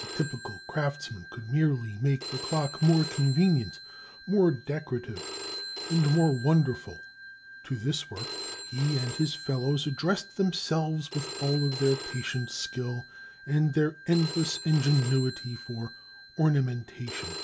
The typical craftsman could merely make the clock more convenient, more decorative, and more wonderful. To this work, he and his fellows addressed themselves with all of their patient skill and their endless ingenuity for ornamentation.